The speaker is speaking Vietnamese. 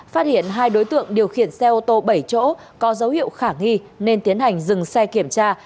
phát hiện hai đối tượng điều khiển xe ô tô bảy chỗ có dấu hiệu khả nghi nên tiến hành dừng xe kiểm tra